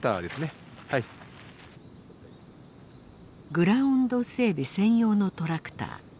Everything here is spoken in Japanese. グラウンド整備専用のトラクター。